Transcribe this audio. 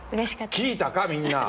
聞いたか、みんな！